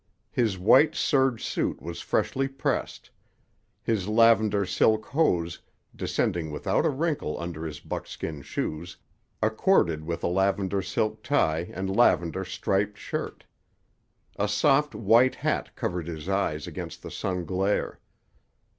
His white serge suit was freshly pressed. His lavender silk hose, descending without a wrinkle under his buckskin shoes, accorded with a lavender silk tie and lavender striped shirt. A soft white hat covered his eyes against the sun glare.